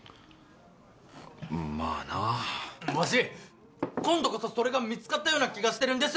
まあなわし今度こそそれが見つかった気がしてるんです